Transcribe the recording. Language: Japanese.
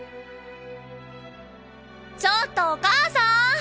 ちょっとお母さん。